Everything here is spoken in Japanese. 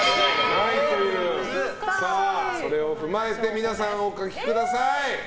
それを踏まえて皆さん、お書きください。